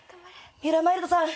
三浦マイルドさん